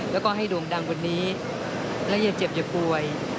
แล้วก็ให้โด่งดังกว่านี้และอย่าเจ็บอย่าป่วย